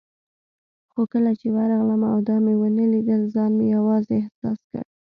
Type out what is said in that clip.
خو کله چې ورغلم او دا مې ونه لیدل، ځان مې یوازې احساس کړ.